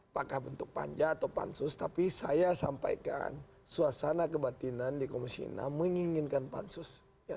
apakah bentuk panja atau pansus tapi saya sampaikan suasana kebatinan di komisi enam menginginkan pansus